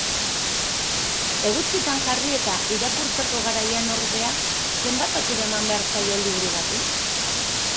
Eguzkitan jarri eta irakurtzeko garaian ordea zenbat aukera eman behar zaio liburu bati?